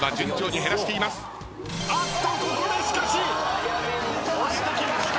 あっとここでしかし押してきました！